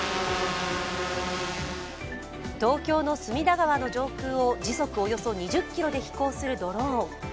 東京の隅田川の上空を時速およそ２０ｋｍで飛行するドローン。